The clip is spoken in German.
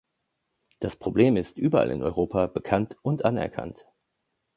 Das Problem ist überall in Europa bekannt und anerkannt.